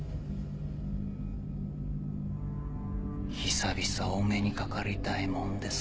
久々お目にかかりたいもんです